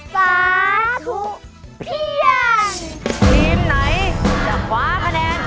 สาธุเพียง